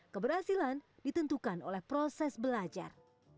keberhasilan ditentukan oleh proses belajar